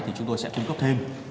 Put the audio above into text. thì chúng tôi sẽ cung cấp thêm